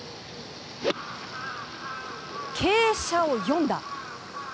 傾斜を読んだ。